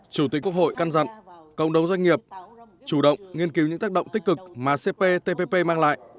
chủ tịch quốc hội căn dặn cộng đồng doanh nghiệp chủ động nghiên cứu những tác động tích cực mà cptpp mang lại